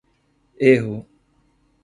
Erro.